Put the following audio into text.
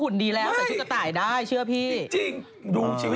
นี่ไง